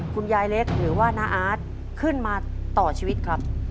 คุณยายเล็กหรือว่าน้าอาร์ตขึ้นมาต่อชีวิตครับ